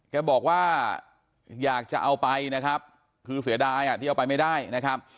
แกบอกว่าอยากจะเอาไปนะครับคือเสียดายอ่ะที่เอาไปไม่ได้นะครับ